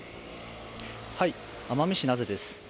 奄美市名瀬です。